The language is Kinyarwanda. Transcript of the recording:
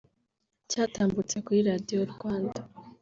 cyatambutse kuri Radio Rwanda